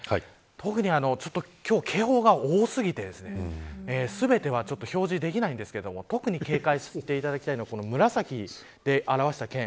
特に今日、警報が多すぎて全ては表示できないんですけれども特に警戒していただきたいのが紫で表した県。